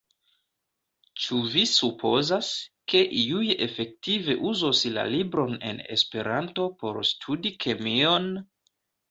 Ĉu vi supozas, ke iuj efektive uzos la libron en Esperanto por studi kemion?